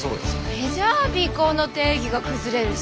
それじゃあ尾行の定義が崩れるし。